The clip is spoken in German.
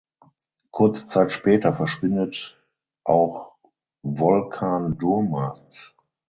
Kurze Zeit später verschwindet auch Volkan Durmaz.